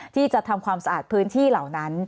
ที่จะทำความสะอาดพื้นที่เหล่านั้น